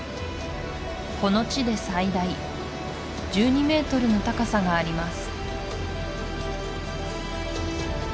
この地で最大１２メートルの高さがあります